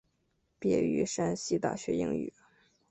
毕业于山西大学英语。